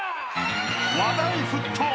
［話題沸騰！